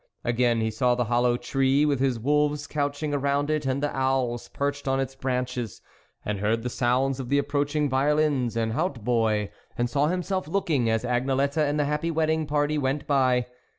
Again he saw the hollow tree, with his wolves couching around it and the owls perched on its branches, and heard the sounds of the approaching violins and hautboy and saw himself looking, as Agnelette and the happy wedding party went by.